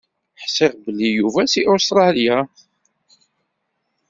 Ḥṣiɣ belli Yuba si Ustralya.